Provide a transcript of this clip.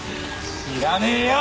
知らねえよ！